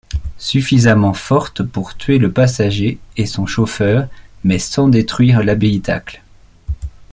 Suffisamment forte pour tuer le passager et son chauffeur, mais sans détruire l'habitacle.